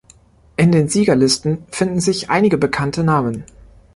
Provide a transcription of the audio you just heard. In den Siegerlisten finden sich einige bekannte Namen.